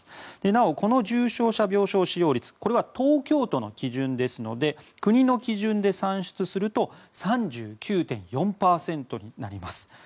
なお、この重症者病床使用率これは東京都の基準ですので国の基準で算出すると３９．４％になります。